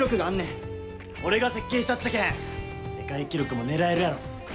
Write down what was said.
俺が設計したっちゃけん世界記録も狙えるやろ。